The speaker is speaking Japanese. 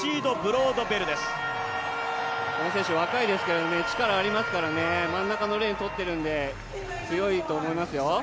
この選手若いですけれども、力がありますので真ん中のレーンとってるんで、強いと思いますよ。